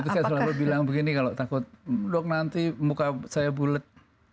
tapi saya selalu bilang begini kalau takut dok nanti muka saya bulet